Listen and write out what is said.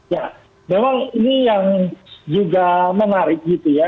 ya memang ini yang juga menarik gitu ya